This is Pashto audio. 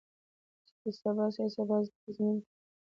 چې د سبا سیاسي ثبات تضمین کړو.